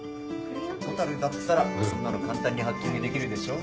・蛍だったらそんなの簡単にハッキングできるでしょ？